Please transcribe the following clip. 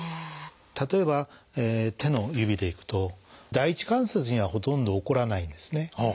例えば手の指でいくと第一関節にはほとんど起こらないんですね。